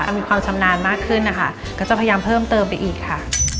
มีความชำนาญมากขึ้นนะคะก็จะพยายามเพิ่มเติมไปอีกค่ะ